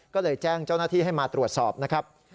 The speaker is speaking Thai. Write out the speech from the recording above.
ก็เลยแจ้งเจ้าหน้าที่ให้มาตรวจสอบนะครับ